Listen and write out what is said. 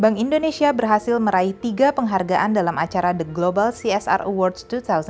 bank indonesia berhasil meraih tiga penghargaan dalam acara the global csr awards dua ribu delapan belas